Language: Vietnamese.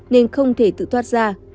nên không thể tự thoát ra